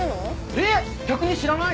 えっ逆に知らないの！？